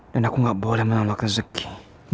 dan aku gak boleh menolak rezeki